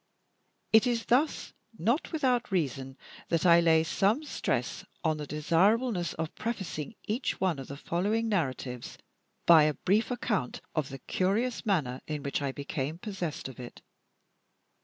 It is thus not without reason that I lay some stress on the desirableness of prefacing each one of the following narratives by a brief account of the curious manner in which I became possessed of it.